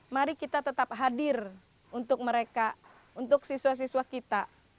mari kita tetap hadir untuk mereka untuk siswa siswa kita